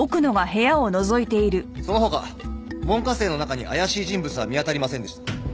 その他門下生の中に怪しい人物は見当たりませんでした。